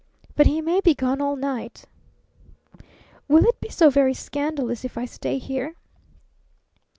"But he may be gone all night!" "Will it be so very scandalous if I stay here?"